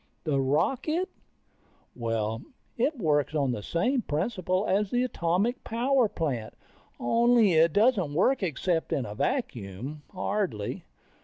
The rocket? Well, it works on the same principle as the atomic power plant, only it doesn't work except in a vacuum, hardly.